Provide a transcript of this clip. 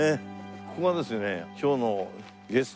ここがですね。